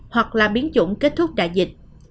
hoặc là biến chủng kết thúc đại dịch